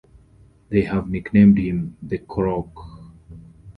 They have nicknamed him "The Crock".